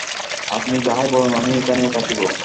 আপনি যাহাই বলুন, আমি এইখানেই থাকিব।